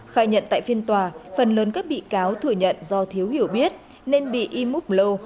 khai nhận tại phiên tòa phần lớn các bị cáo thừa nhận do thiếu hiểu biết nên bị im úp lâu